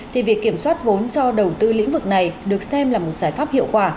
thì việc kiểm soát vốn cho đầu tư lĩnh vực này được xem là một giải pháp hiệu quả